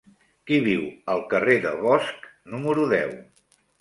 Qui viu al carrer de Bosch número deu?